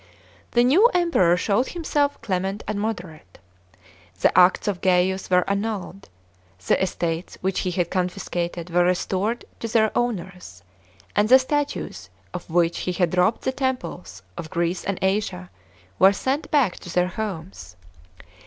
The new Etnperor showed himself clement and moderate. The acts of Gaius were annulled; the estates which he had confiscated were restored to their owners, and the statues of which he had lobbed the temples of Greece and Asia were sent back to their homes.